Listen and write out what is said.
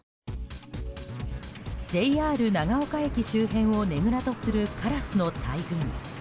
ＪＲ長岡駅周辺をねぐらとするカラスの大群。